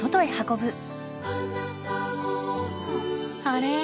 あれ？